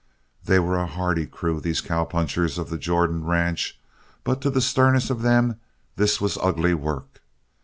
They were a hardy crew, these cowpunchers of the Jordan ranch, but to the sternest of them this was ugly work.